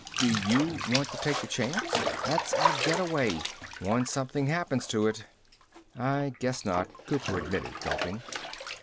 "Do you want to take the chance? That's our getaway. Once something happens to it...." "I guess not," Cooper admitted, gulping.